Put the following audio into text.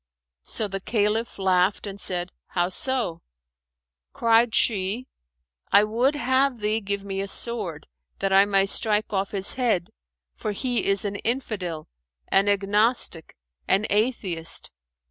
So the Caliph laughed and said, "How so?" Cried she "I would have thee give me a sword, that I may strike off his head, for he is an Infidel, an Agnostic, an Atheist.